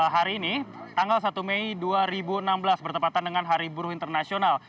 hari ini tanggal satu mei dua ribu enam belas bertepatan dengan hari buruh internasional